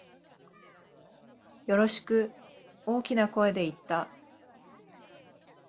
よろしく、大きな声で言った。